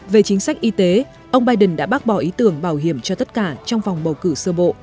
về chính sách y tế ông biden đã bác bỏ ý tưởng bảo hiểm cho tất cả trong vòng bầu cử sơ bộ